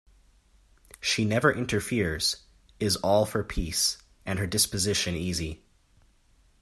She never interferes, is all for peace, and her disposition easy.